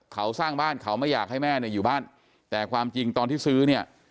เขาสร้างบ้านเขาไม่อยากให้แม่เนี่ยอยู่บ้านแต่ความจริงตอนที่ซื้อเนี่ย